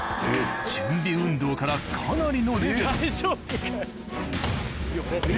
準備運動からかなりのレベル大丈夫かよ。